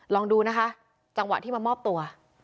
ลองดูนะคะจังหวะที่มามอบตัว